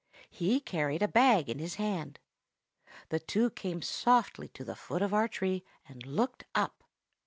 He carried a bag in his hand. The two came softly to the foot of our tree, and looked up.